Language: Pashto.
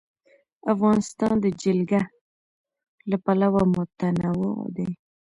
افغانستان د جلګه له پلوه متنوع دی.